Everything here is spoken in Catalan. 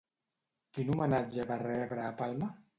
Quin homenatge va rebre a Palma?